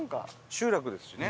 集落ですしね。